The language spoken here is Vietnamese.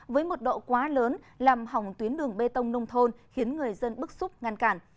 với một độ quá lớn làm hỏng tuyến đường bê tông nông thôn khiến người dân bức xúc ngăn cản